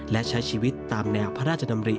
และใช้ชีวิตตามแนวพระราชดำริ